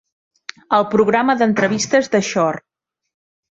El programa d'entrevistes de Shore.